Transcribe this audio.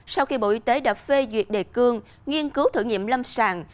sau khi bộ y tế đã phê duyệt đề cương nghiên cứu thử nghiệm lâm sàng